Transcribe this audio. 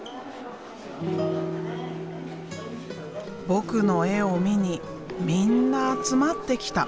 僕の絵を見にみんな集まってきた。